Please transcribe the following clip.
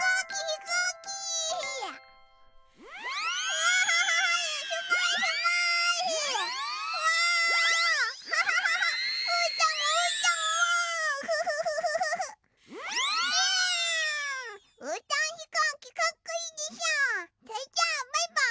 それじゃあバイバーイ！